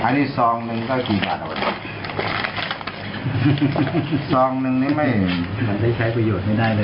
อันนี้ซองหนึ่งก็กี่บาทซองนึงนี่ไม่มันได้ใช้ประโยชน์ไม่ได้เลย